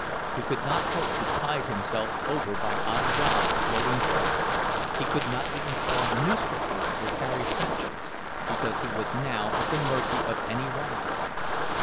He could not hope to tide himself over by odd jobs of loading trucks; he could not even sell newspapers or carry satchels, because he was now at the mercy of any rival.